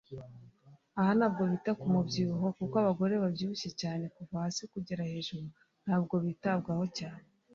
aha ntabwo bita ku mubyibuho kuko abagore babyibushye cyane kuva hasi kugera hejuru ntabwo bitabwaho cyane